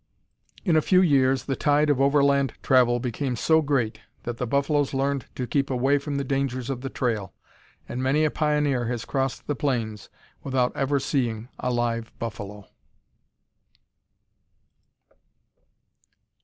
In a few years the tide of overland travel became so great, that the buffaloes learned to keep away from the dangers of the trail, and many a pioneer has crossed the plains without ever seeing a live buffalo.